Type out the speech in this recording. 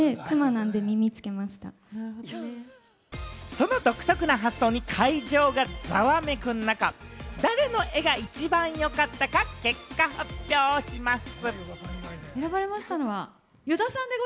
その独特な発想に会場がざわめく中、誰の絵が一番良かったか、結果発表します。